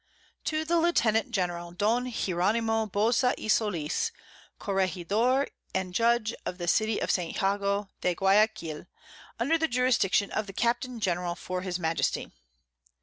To the Lieutenant General Don Hieronimo Boza y Soliz, Corregidore and Judge of the City of St. Jago de Guiaquil, _under the Jurisdiction of the Captain General for his Majesty.